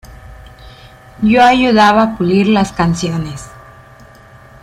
Yo ayudaba a pulir las canciones.